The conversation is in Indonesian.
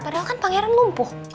padahal kan pangeran lumpuh